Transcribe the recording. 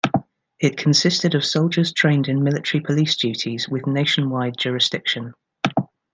It consisted of soldiers trained in military police duties with nationwide jurisdiction.